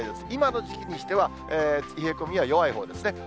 今の時期にしては、冷え込みは弱いほうですね。